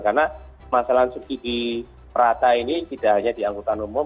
karena masalah subsidi rata ini tidak hanya di anggota umum